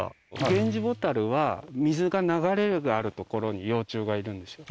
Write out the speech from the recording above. ゲンジボタルは水が流れがある所に幼虫がいるんですよ。